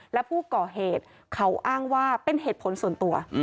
และผู้ก่อเหตุเขาอ้างว่าเป็นเหตุผลส่วนตัว